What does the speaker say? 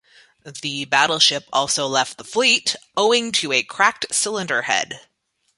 The battleship also left the fleet, owing to a cracked cylinder head.